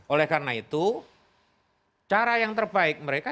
oleh karena itu cara yang terbaik mereka